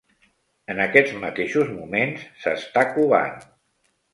En aquests mateixos moments s'està covant.